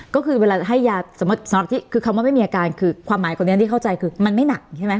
ก็คือเวลาให้ยาสำหรับที่คือคำว่าไม่มีอาการคือความหมายคนนี้ที่เข้าใจคือมันไม่หนักใช่ไหม